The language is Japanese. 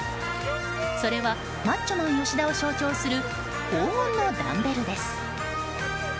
それはマッチョマン吉田を象徴する黄金のダンベルです。